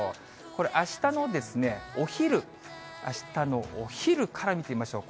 これ、あしたのお昼、あしたのお昼から見てみましょう。